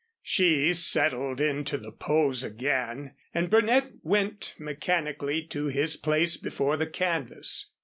She settled into the pose again and Burnett went mechanically to his place before the canvas.